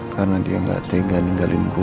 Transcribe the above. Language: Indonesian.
karena dia gak tega ninggalin gue